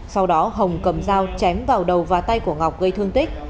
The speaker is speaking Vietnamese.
sau đó hồng cầm dao chém vào đầu và tay của ngọc gây thương tích